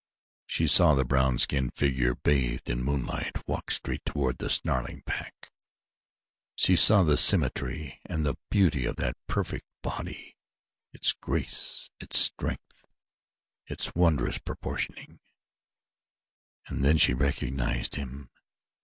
She saw the brown skinned figure bathed in moonlight walk straight toward the snarling pack. She saw the symmetry and the beauty of that perfect body its grace, its strength, its wondrous proportioning, and then she recognized him.